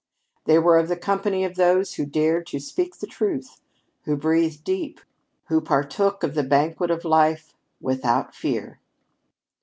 They were of the company of those who dared to speak the truth, who breathed deep, who partook of the banquet of life without fear.